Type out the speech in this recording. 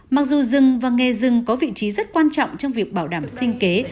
mặc dù rừng và nghề rừng có vị trí rất quan trọng trong việc bảo đảm sinh kế